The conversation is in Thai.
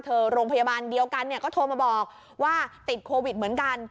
โรงพยาบาลเดียวกันเนี่ยก็โทรมาบอกว่าติดโควิดเหมือนกัน